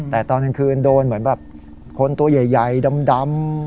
แต่ตอนกลางคืนโดนเหมือนแบบคนตัวใหญ่ดำ